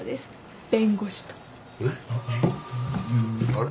あれ？